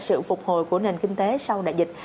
sự phục hồi của nền kinh tế sau đại dịch